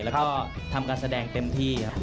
แล้วก็ทำการแสดงเต็มที่ครับ